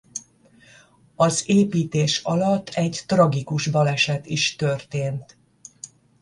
Az építés alatt egy tragikus baleset is történt.